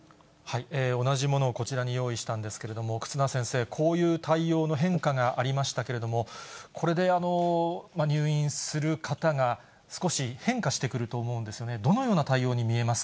同じものをこちらに用意したんですけれども、忽那先生、こういう対応の変化がありましたけれども、これで入院する方が少し変化してくると思うんですよね。